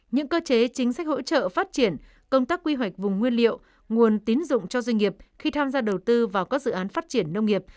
những cơ chế chính sách hỗ trợ phát triển công tác quy hoạch vùng nguyên liệu nguồn tín dụng cho doanh nghiệp khi tham gia đầu tư vào các dự án phát triển nông nghiệp